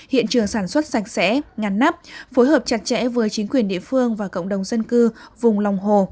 hiện trường sản xuất sạch sẽ ngắn nắp phối hợp chặt chẽ với chính quyền địa phương và cộng đồng dân cư vùng lòng hồ